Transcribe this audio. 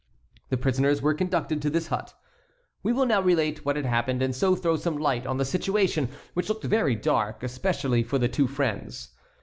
The prisoners were conducted to this hut. We will now relate what had happened and so throw some light on the situation, which looked very dark, especially for the two friends.